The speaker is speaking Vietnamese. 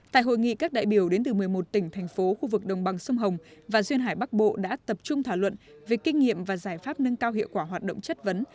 tại hội nghị các đại biểu đến từ một mươi một tỉnh thành phố khu vực đồng bằng sông hồng và duyên hải bắc bộ đã tập trung thảo luận về kinh nghiệm và giải pháp nâng cao hiệu quả hoạt động chất vấn